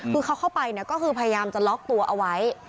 คือเขาเข้าไปเนี่ยก็คือพยายามจะล็อกตัวเอาไว้